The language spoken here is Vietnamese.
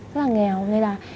rất là nghèo nên là